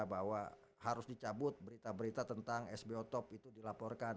bahwa harus dicabut berita berita tentang sbo top itu dilaporkan